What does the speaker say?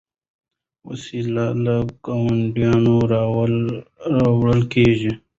وسلې له ګاونډه راوړل کېږي.